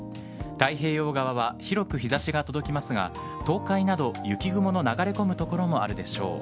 太平洋側は広く日差しが届きますが東海など、雪雲の流れ込む所もあるでしょう。